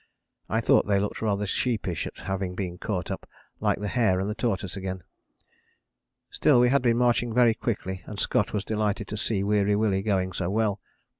I thought they looked rather sheepish at having been caught up, like the hare and the tortoise again. Still we had been marching very quickly and Scott was delighted to see Weary Willie going so well.